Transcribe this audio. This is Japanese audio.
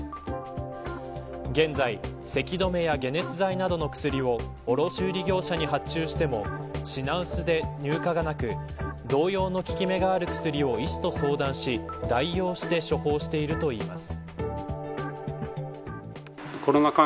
現在、せき止めや解熱剤などの薬を卸売業者に発注しても品薄で入荷がなく同様の効き目がある薬を医師と相談し、代用して処方をしているといいます。